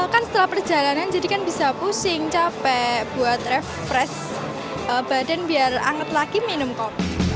kan setelah perjalanan jadi kan bisa pusing capek buat refresh badan biar anget lagi minum kopi